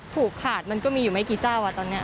ผูกขาดมันก็มีอยู่ไม่กี่เจ้าอ่ะตอนนี้